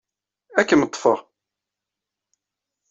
Ad kem-ḍḍfeɣ.